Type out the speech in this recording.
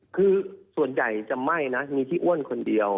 คือส่วนใหญ่จะไหม้นะมีที่อ้วนคนเดียว